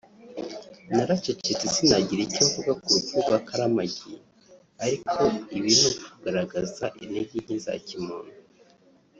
“ Naracecetse sinagira icyo mvuga ku rupfu rwa Kalamagi ariko ibi ni ukugaragaza intege nke za muntu